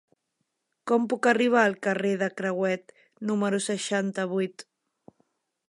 Com puc arribar al carrer de Crehuet número seixanta-vuit?